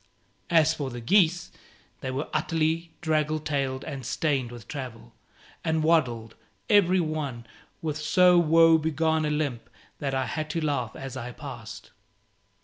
As for the geese, they were utterly draggle tailed and stained with travel, and waddled, every one, with so woe begone a limp that I had to laugh as I passed.